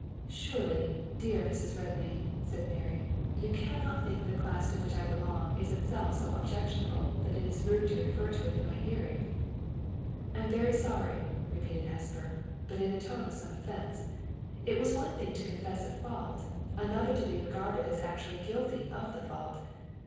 "Surely, dear Mrs. Redmain," said Mary, "you can not think the class to which I belong in itself so objectionable that it is rude to refer to it in my hearing!" "I am very sorry," repeated Hesper, but in a tone of some offense: it was one thing to confess a fault; another to be regarded as actually guilty of the fault.